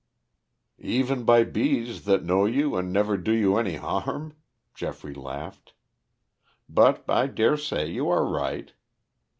"Even by bees that know you and never do you any harm," Geoffrey laughed. "But I dare say you are right.